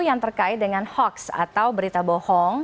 yang terkait dengan hoax atau berita bohong